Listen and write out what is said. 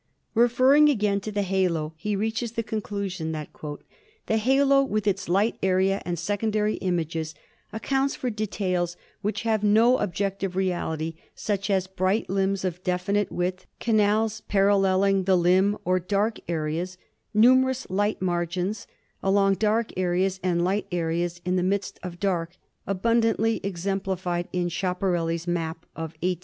Referring again to the halo he reaches the conclusion that— "The halo with its light area and secondary image ac counts for details which have no objective reality, such as bright limbs of definite width, canals paralleling the limb or dark areas, numerous light margins along dark areas and light areas in the midst of dark, abundantly exempli fied in Schiaparelli's map of 1881 82."